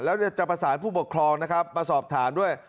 แล้วจะประสานผู้ปกครองนะครับมาสอบถามด้วย